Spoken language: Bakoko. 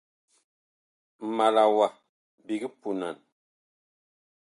Ma la wa biig punan.